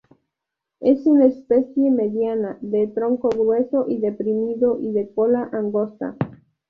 Es una especie mediana, de tronco grueso y deprimido y de cola angosta.